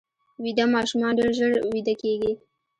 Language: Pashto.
ویده ماشومان ډېر ژر ویده کېږي